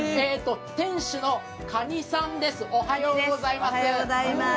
店主の蠏さんです、おはようございます。